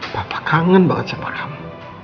bapak kangen banget sama kamu